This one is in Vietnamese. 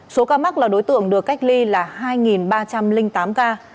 số ca mắc là đối tượng được cách ly là hai ba trăm linh tám ca